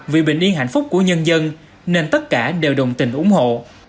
vì bình yên hạnh phúc của nhân dân nên tất cả đều đồng tình ủng hộ